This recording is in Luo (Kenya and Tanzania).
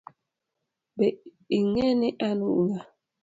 Be ing'e ni an ng'a?